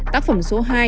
tác phẩm số hai